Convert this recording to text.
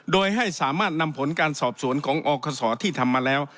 โดยให้สามารถนำผลการสอบสวนของอคศที่ทำมาแล้ว